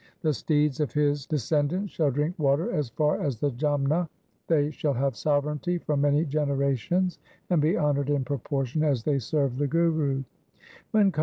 The steeds of his descendants shall drink water as far as the Jamna ; they shall have sovereignty for many generations, and be honoured in proportion as they serve the Guru.'